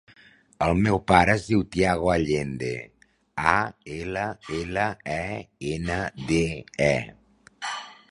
El meu pare es diu Tiago Allende: a, ela, ela, e, ena, de, e.